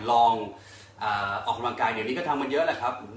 ลองออกกำลังกายเดี๋ยวนี้ก็ทำกันเยอะแหละครับ